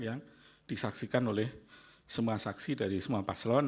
yang disaksikan oleh semua saksi dari semua paslon